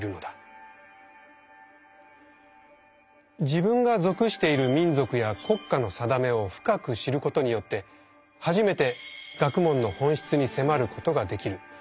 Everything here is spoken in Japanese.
自分が属している「民族」や「国家のさだめ」を深く知ることによって初めて「学問」の本質に迫ることができる。